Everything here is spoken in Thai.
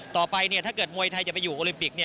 ถ้าเกิดมวยไทยจะไปอยู่โอลิมปิก